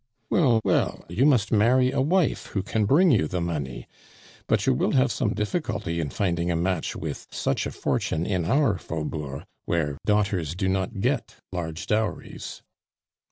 "Well, well, you must marry a wife who can bring you the money; but you will have some difficulty in finding a match with such a fortune in our Faubourg, where daughters do not get large dowries."